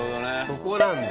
そこなんだ。